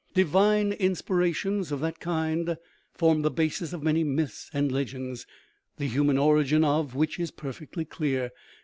" Divine " inspirations of that kind form the basis of many myths and legends, the human origin of which is perfectly clear.